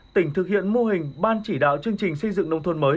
tỉnh thực hiện mô hình ban chỉ đạo chương trình xây dựng nông thôn mới